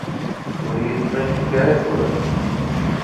Ur y-iṭṭif kra tura.